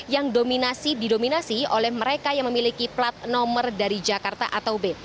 yang didominasi oleh mereka yang memiliki plat nomor dari jakarta atau b